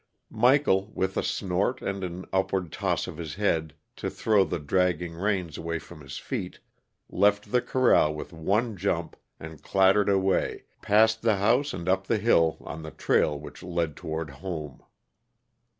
Michael, with a snort and an upward toss of his head to throw the dragging reins away from his feet, left the corral with one jump, and clattered away, past the house and up the hill, on the trail which led toward home.